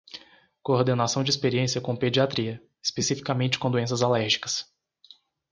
Coordenação de experiência com pediatria, especificamente com doenças alérgicas.